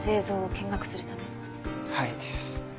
はい。